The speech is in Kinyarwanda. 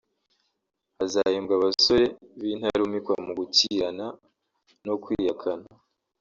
hazahembwa abasore b’intarumikwa mu gukirana no kwiyakana